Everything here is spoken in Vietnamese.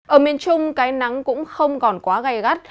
ở miền trung cái nắng cũng không còn quá gai gắt